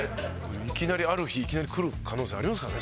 いきなりある日来る可能性ありますからね。